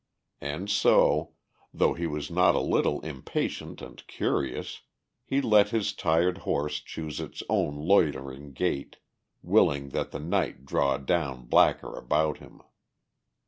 And so, though he was not a little impatient and curious, he let his tired horse choose its own loitering gait, willing that the night draw down blacker about him.